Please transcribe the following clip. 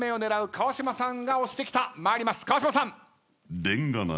川島さん。